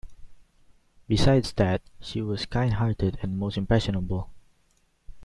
Besides that, she was kind-hearted and most impressionable.